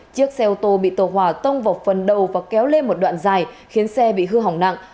chiếc xe ô tô bị tàu hỏa tông vào phần đầu và kéo lên một đoạn dài khiến xe bị hư hỏng nặng